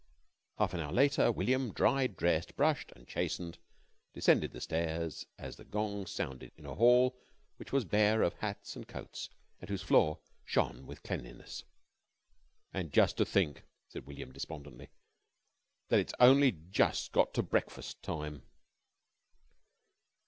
Half an hour later William, dried, dressed, brushed, and chastened, descended the stairs as the gong sounded in a hall which was bare of hats and coats, and whose floor shone with cleanliness. "And jus' to think," said William, despondently, "that it's only jus' got to brekfust time."